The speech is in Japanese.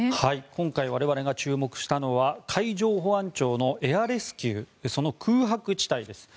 今回我々が注目したのは海上保安庁のエアレスキューその空白地帯です。